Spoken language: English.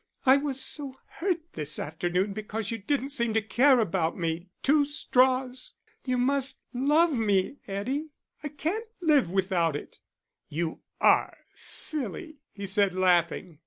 "I was so hurt this afternoon because you didn't seem to care about me two straws. You must love me, Eddie; I can't live without it." "You are silly," he said, laughing.